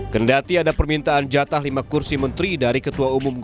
kendati ada permintaan jatah lima kursi menteri dari ketua umum